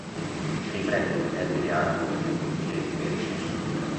Riprende un termine arabo che vuol dire "vergine".